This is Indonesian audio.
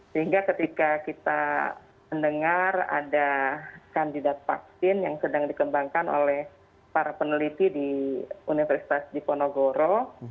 sehingga ketika kita mendengar ada kandidat vaksin yang sedang dikembangkan oleh para peneliti di universitas diponegoro